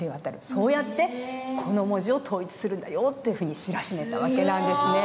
そうやってこの文字を統一するんだよっていうふうに知らしめた訳なんですね。